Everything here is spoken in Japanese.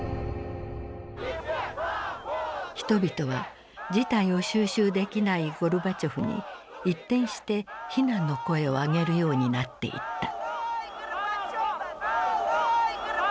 人々は事態を収拾できないゴルバチョフに一転して非難の声を上げるようになっていった。